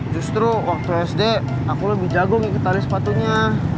justru waktu sd aku lebih jago ngikuti tali sepatunya